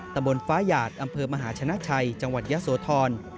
ตำบลฟ้ายาดอำเภอมหาชนะชัยจังหวัดยศวทร